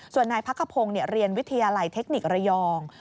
ส่วนนายพักขพงศ์เรียนวิทยาลัยเทคนิคระยอง